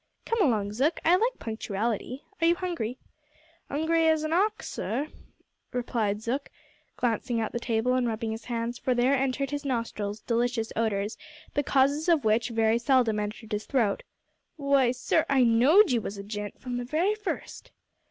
"Come along, Zook, I like punctuality. Are you hungry?" "'Ungry as a 'awk, sir," replied Zook, glancing at the table and rubbing his hands, for there entered his nostrils delicious odours, the causes of which very seldom entered his throat. "W'y, sir, I know'd you was a gent, from the wery first!"